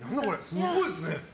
すごいですね。